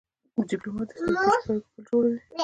ډيپلومات د ستراتیژیکو اړیکو پل جوړوي.